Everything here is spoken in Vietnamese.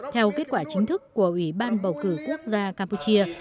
theo kết quả chính thức của ủy ban bầu cử quốc gia campuchia